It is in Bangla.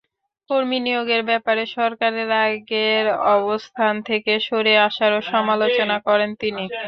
কর্মী নিয়োগের ব্যাপারে সরকারের আগের অবস্থান থেকে সরে আসারও সমালোচনা করেন তিনি।